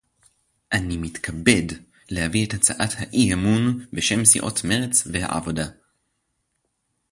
אני מתכבד להביא את הצעת האי-אמון בשם סיעות מרצ והעבודה